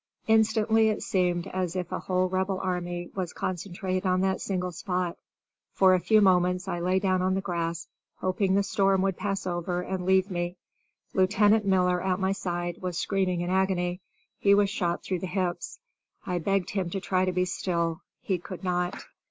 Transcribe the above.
Instantly it seemed as if a whole Rebel army was concentrated on that single spot. For a few moments I lay down on the grass, hoping the storm would pass over and leave me. Lieutenant Miller, at my side, was screaming in agony. He was shot through the hips. I begged him to try to be still; he could not.